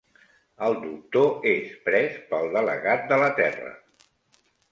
El Doctor és pres pel delegat de la Terra.